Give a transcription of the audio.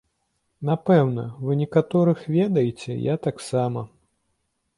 Напэўна, вы некаторых ведаеце, я таксама.